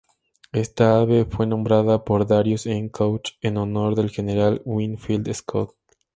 Esta ave fue nombrada por Darius N. Couch en honor del general Winfield Scott.